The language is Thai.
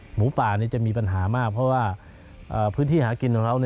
หมูป่าจะมีปัญหามากเพราะว่าพื้นที่หากินของเรา